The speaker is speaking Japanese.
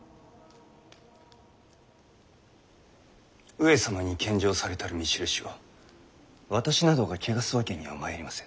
上様に献上されたる御首級を私などが汚すわけにはまいりませぬ。